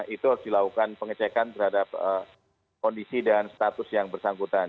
itu harus dilakukan pengecekan terhadap kondisi dan status yang bersangkutan